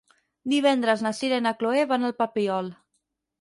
Divendres na Sira i na Chloé van al Papiol.